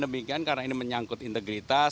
demikian karena ini menyangkut integritas